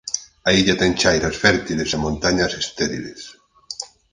A illa ten chairas fértiles e montañas estériles.